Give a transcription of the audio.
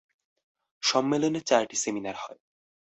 সম্মেলনে চারটি সেমিনার হয়।